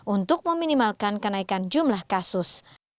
untuk meminimalkan kenaikan jumlah kasus